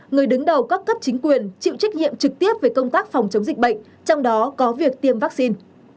người đứng đầu các cấp chính quyền chịu trách nhiệm trực tiếp về công tác phòng chống dịch bệnh trong đó có việc tiêm vaccine